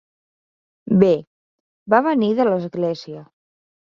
Bé, va venir de l'església.